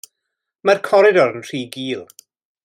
Mae'r coridor yn rhy gul.